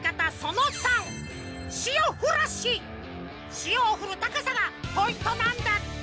しおをふるたかさがポイントなんだって！